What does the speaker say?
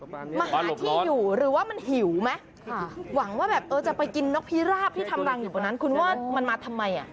มาหาที่อยู่หรือว่ามันหิวไหมค่ะหวังว่าแบบเออจะไปกินนกพิราบที่ทำรังอยู่บนนั้นคุณว่ามันมาทำไมอ่ะ